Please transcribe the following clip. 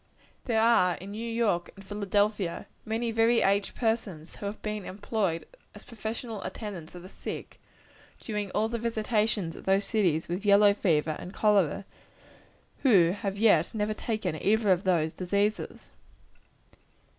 There are in New York and Philadelphia, many very aged persons, who have been employed as professional attendants of the sick during all the visitations of those cities with yellow fever and cholera, who have yet never taken either of those diseases.